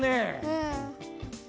うん。